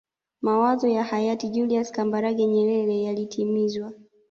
mawazo ya hayati julius kambarage nyerere yalitimizwa